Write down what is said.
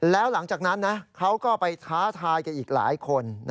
แล้วหลังจากนั้นเขาก็ไปท้าทายกันอีกหลายคน